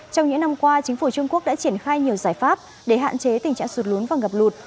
trong những năm qua chính phủ trung quốc đã triển khai nhiều giải pháp để hạn chế tình trạng sụt lún và ngập lụt